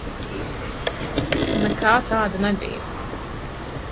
Nekā tāda nebija.